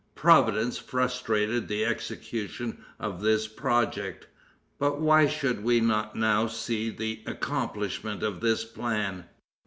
Providence frustrated the execution of this project. But why should we not now see the accomplishment of this plan?